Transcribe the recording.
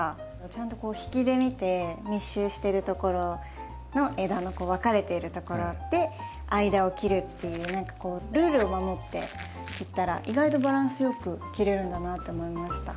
ちゃんとこう引きで見て密集してるところの枝の分かれてるところで間を切るっていう何かこうルールを守って切ったら意外とバランスよく切れるんだなって思いました。